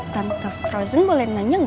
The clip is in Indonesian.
tante frozen boleh nanya gak